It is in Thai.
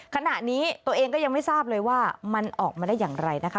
ขณะนี้ตัวเองก็ยังไม่ทราบเลยว่ามันออกมาได้อย่างไรนะคะ